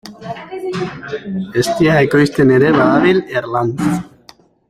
Eztia ekoizten ere badabil Erlanz.